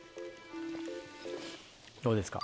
どうですか？